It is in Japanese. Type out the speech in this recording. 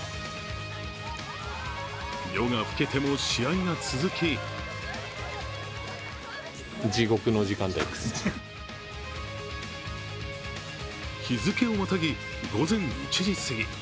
夜が更けても、試合が続き日付をまたぎ、午前１時すぎ。